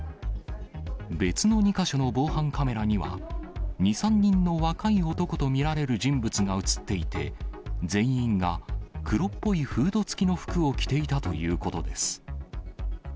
別の２か所の防犯カメラには２、３人の若い男と見られる人物が写っていて、全員が黒っぽいフード付きの服を着ていたということです。